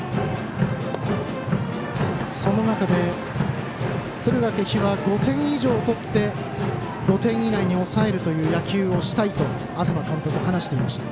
その中で敦賀気比は５点以上とって５点以内に抑えるという野球にしたいと東監督が話していました。